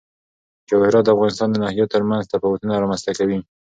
جواهرات د افغانستان د ناحیو ترمنځ تفاوتونه رامنځ ته کوي.